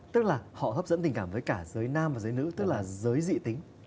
tức là họ hấp dẫn tình cảm với cả giới nam và giới nữ tức là giới dị tính